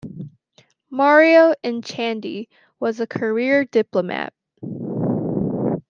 Mario Echandi was a career diplomat.